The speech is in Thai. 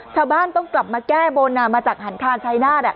ชาวบ้านต้องกลับมาแก้บนมาจากหันคานชายนาฏ